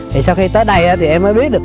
thì sau khi tới đây thì em mới biết được